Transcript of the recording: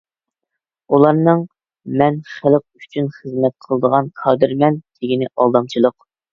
ئۇلارنىڭ «مەن خەلق ئۈچۈن خىزمەت قىلىدىغان كادىرمەن» دېگىنى ئالدامچىلىق.